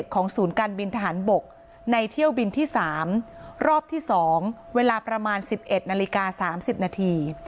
ของศูนย์การบินทหารบกในเที่ยวบินที่๓รอบที่๒เวลาประมาณ๑๑นาฬิกา๓๐นาที